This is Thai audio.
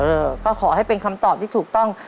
เออก็ขอให้เป็นคำตอบที่ถูกต้อง